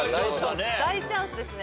大チャンスですね。